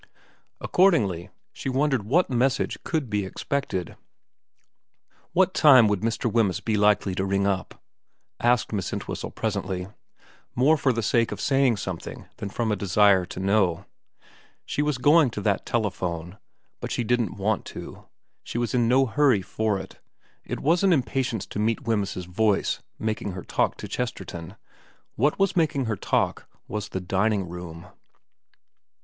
Accordingly she wondered what message could be expected. * What time would Mr. Wemyss be likely to ring up ?' asked Miss Entwhistle presently, more for the sake of saying something than from a desire to know. She was going to that telephone, but she didn't want to, she was in no hurry for it, it wasn't impatience to meet Wemyss's voice making her talk to Chesterton ; what was making her talk was the dining room.